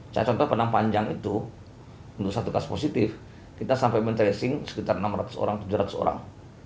contoh penampanjang itu untuk satu kas positif kita sampai men tracing sekitar enam ratus orang tujuh ratus orang